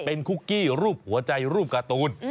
เป็นคุกกี้รูปหัวใจรูปการ์ตูน